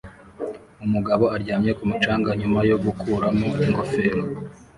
Umugabo aryamye ku mucanga nyuma yo gukuramo ingofero